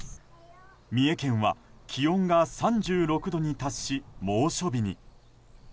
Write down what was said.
三重県は気温が３６度に達し猛暑日に。